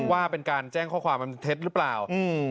ว่าเป็นการแจ้งข้อความอันเท็จหรือเปล่าอืม